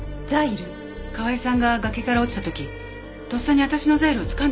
河合さんが崖から落ちた時とっさに私のザイルをつかんだんです。